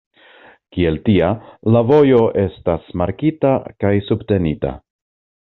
Kiel tia, la vojo estas markita kaj subtenita.